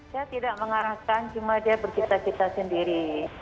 dia tidak mengarahkan cuma dia berkita kita sendiri